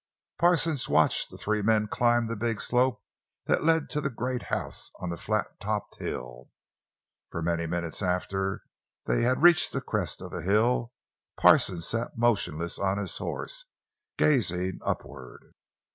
Parsons watched the three men climb the big slope that led to the great house on the flat topped hill. For many minutes after they had reached the crest of the hill Parsons sat motionless on his horse, gazing upward.